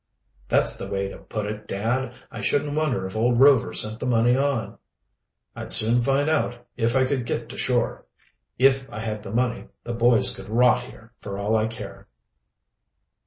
"That's the way to put it, dad. I shouldn't wonder if old Rover sent the money on." "I'd soon find out, if I could get to shore. If I had the money the boys could rot here, for all I care."